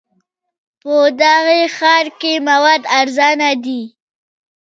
په دغه ښار کې مواد ارزانه دي.